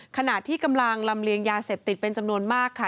ขณะที่กำลังลำเลียงยาเสพติดเป็นจำนวนมากค่ะ